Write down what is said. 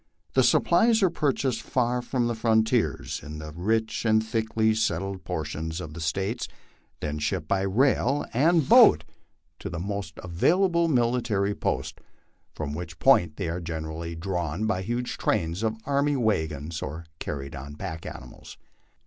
The supplies are purchased far from the frontiers, in the rich and thickly settled portions of the States, then shipped by rail and boat to 22 MY LIFE ON THE PLAINS. the most available military post, from which point they are generally drawn by huge trains of army wagons, or carried on pack animals.